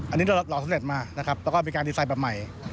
อันนี้เราสำเร็จมานะครับแล้วก็มีการดีไซนแบบใหม่